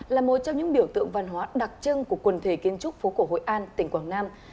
là một trong những biểu tượng văn hóa đặc trưng của quần thể kiến trúc phố cổ hội an tỉnh quảng nam